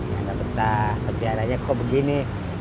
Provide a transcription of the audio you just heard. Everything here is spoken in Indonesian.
yang gak betah pencariannya kok begini